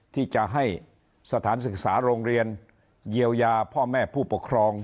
ที่จะให้สถานศึกษาโรงเรียนเยียวยาพ่อแม่ผู้ปกครอง